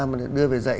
mà đưa về dạy